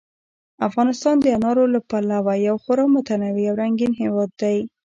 افغانستان د انارو له پلوه یو خورا متنوع او رنګین هېواد دی.